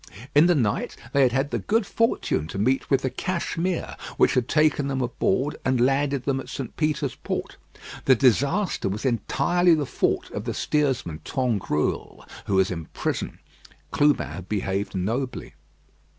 In the night they had had the good fortune to meet with the Cashmere, which had taken them aboard and landed them at St. Peter's Port. The disaster was entirely the fault of the steersman Tangrouille, who was in prison. Clubin had behaved nobly.